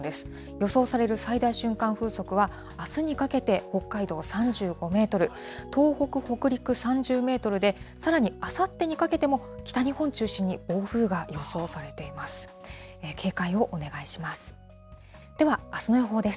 予想される最大瞬間風速は、あすにかけて、北海道３５メートル、東北、北陸３０メートルで、さらにあさってにかけても、北日本中心に暴風が予想されています。